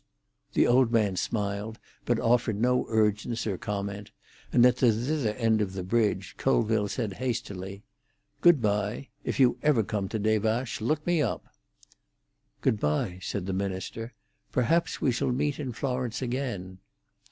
The old man smiled, but offered no urgence or comment, and at the thither end of the bridge Colville said hastily, "Good bye. If you ever come to Des Vaches, look me up." "Good bye," said the minister. "Perhaps we shall meet in Florence again."